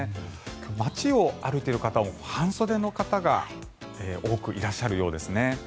街を歩いている方も半袖の方が多くいらっしゃるようですね。